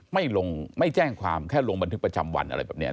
ไม่มีแจ้งความแค่ลงบันทึกประจำวัน